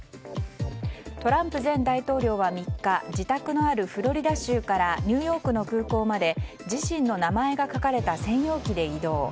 トランプ前大統領は３日自宅のあるフロリダ州からニューヨークの空港まで自身の名前が書かれた専用機で移動。